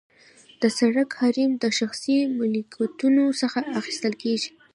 د سرک حریم د شخصي ملکیتونو څخه اخیستل کیږي